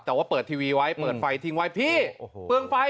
แต่ว่าเปิดทีวีไว้เปิดไฟทิ้งไว้พี่โอ้โหเปลืองไฟ